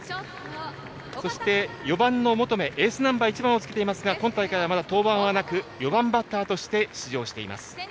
そして４番の求エースナンバー１番をつけていますが今大会まだ登板はなく４番バッターとして出場しています。